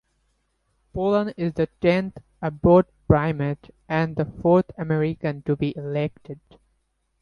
Polan is the tenth Abbot Primate and the fourth American to be elected.